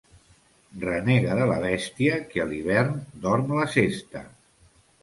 Renega de la bèstia que a l'hivern dorm la sesta.